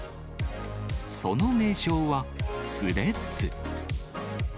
その名称は、スレッズ。